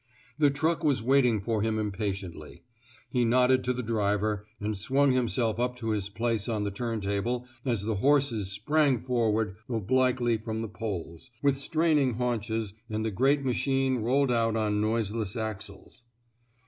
The truck was waiting for him impatiently. He nodded to the driver, and swung himself up to his place on the turntable as the horses sprang forward obliquely from the poles, with straining haunches, and the great ma chine rolled out on noiseless axles.